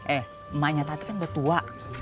eh emaknya tadi kan udah tua